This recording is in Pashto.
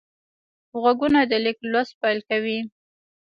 غوږونه د لیک لوست پیل کوي